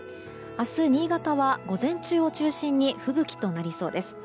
明日、新潟は午前中を中心に吹雪となりそうです。